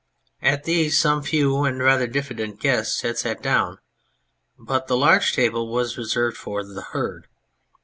At these some few and rather diffi dent guests had sat down ; but the large table was reserved for the Herd.